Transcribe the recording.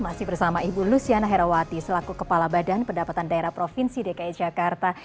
masih bersama ibu luciana herawati selaku kepala badan pendapatan daerah provinsi dki jakarta